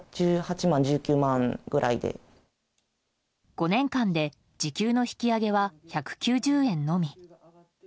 ５年間で時給の引き上げは１９０円のみ。